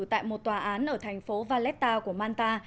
tại một tòa án ở thành phố valletta của malta